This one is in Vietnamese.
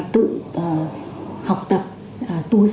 tự học tập tập trung về cơ sở và tập trung về cơ sở